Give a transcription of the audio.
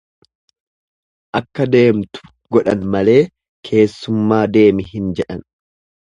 Akka deemtu godhan malee keessummaan deemi hin jedhan.